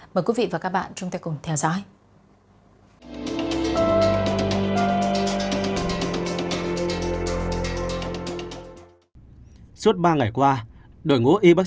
mời quý vị và các bạn chúng ta cùng theo dõi